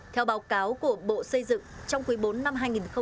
theo báo cáo của bộ xây dựng trong quý bốn năm hai nghìn hai mươi